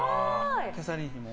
キャサリン妃も。